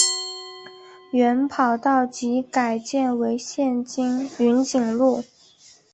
原跑道即改建为现今云锦路。